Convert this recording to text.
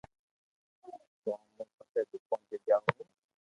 ڪوم مون پسي دوڪون تي جاوُ ھون